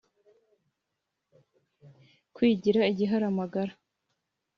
Kwigira igiharamagara